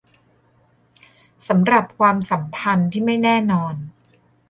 สำหรับความสัมพันธ์ที่ไม่แน่นอน